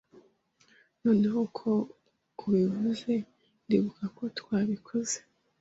Noneho ko ubivuze, ndibuka ko twabikoze.